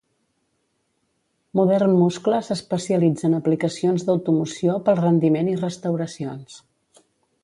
Modern Muscle s'especialitza en aplicacions d'automoció pel rendiment i restauracions.